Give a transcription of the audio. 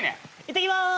いってきまーす。